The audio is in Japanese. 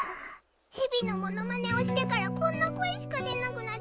ヘビのモノマネをしてからこんな声しか出なくなっちゃった。